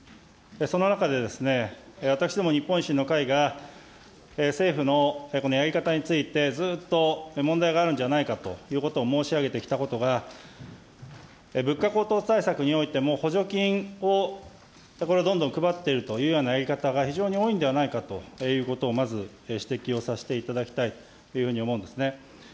その中で、私ども、日本維新の会が政府のやり方について、ずっと問題があるんじゃないかということを申し上げてきたことが、物価高騰対策においても補助金をこれ、どんどん配っているというやり方が非常に多いんではないかということを、まず指摘をさせていただきたいというふうに思うんですね。